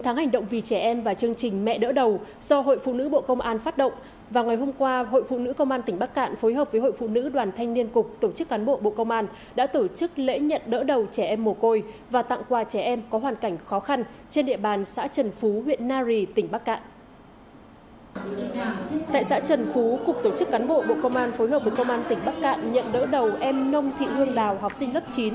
tại xã trần phú cục tổ chức cán bộ bộ công an phối hợp của công an tỉnh bắc cạn nhận đỡ đầu em nông thị hương đào học sinh lớp chín